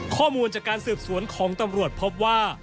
ข้อมูลจากการสืบสวนของตำรวจพบว่า